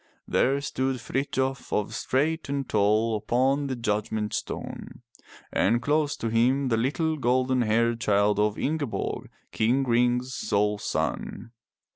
There stood Frithjof straight and tall upon the judgment stone, and close to him the little gold haired child of Ingeborg, King Ring's sole son.